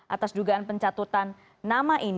atas dugaan pencatutan nama ini